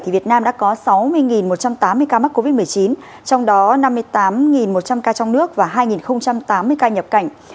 việt nam đã có sáu mươi một trăm tám mươi ca mắc covid một mươi chín trong đó năm mươi tám một trăm linh ca trong nước và hai tám mươi ca nhập cảnh